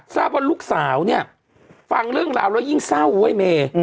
ทราบว่าลูกสาวเนี่ยฟังเรื่องราวแล้วยิ่งเศร้าเว้ยเม